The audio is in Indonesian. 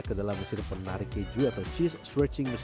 ke dalam mesin penarik keju atau cheese stretching